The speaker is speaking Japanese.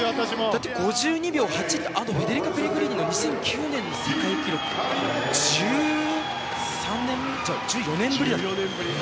だって、５２秒８ってあのフェデリカ・ペレグリーニの２００９年の世界記録を１４年ぶりに。